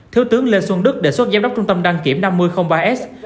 thiếu tướng lê xuân đức đề xuất giám đốc trung tâm đăng kiểm năm mươi ba s